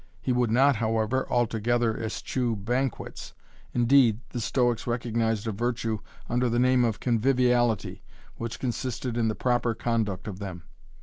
He would not, however, altogether eschew banquets. Indeed, the Stoics recognized a virtue under the name of 'conviviality,' which consisted in the proper conduct of them.